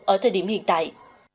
ở thời điểm hiện tại